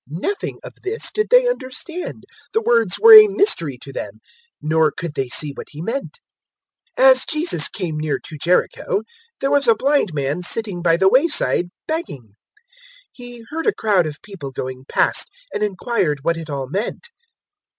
018:034 Nothing of this did they understand. The words were a mystery to them, nor could they see what He meant. 018:035 As Jesus came near to Jericho, there was a blind man sitting by the way side begging. 018:036 He heard a crowd of people going past, and inquired what it all meant.